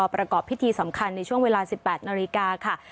ประกอบพิธีสำคัญในช่วงเวลา๑๘นาฬิกาค่ะ